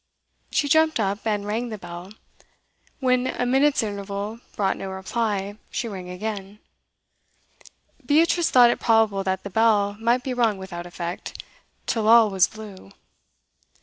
She jumped up, and rang the bell. When a minute's interval brought no reply, she rang again. Beatrice thought it probable that the bell might be rung without effect, 'till all was blue.